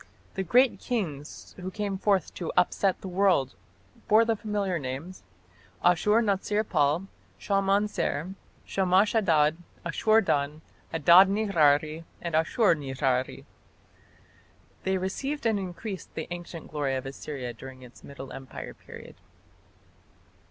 The great kings who came forth to "upset the world" bore the familiar names, Ashur natsir pal, Shalmaneser, Shamash Adad, Ashur dan, Adad nirari, and Ashur nirari. They revived and increased the ancient glory of Assyria during its Middle Empire period.